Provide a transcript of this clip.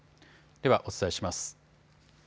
ではお伝えします。